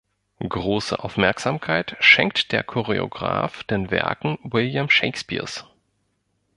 Große Aufmerksamkeit schenkt der Choreograph den Werken William Shakespeares.